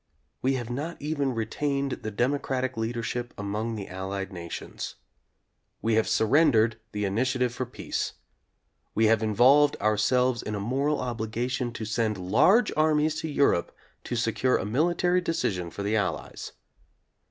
We have not even retained the democratic leadership among the Allied nations. We have surrendered the initia tive for peace. We have involved ourselves in a moral obligation to send large armies to Europe to secure a military decision for the Allies.